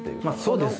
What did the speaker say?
そうです